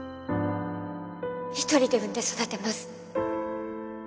一人で産んで育てます